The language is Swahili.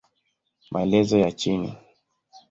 Maelezo ya chini